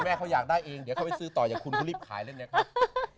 แม่เขาอยากได้เองเดี๋ยวเขาไปซื้อต่ออย่างคุณก็รีบขายเล่นเลยครับ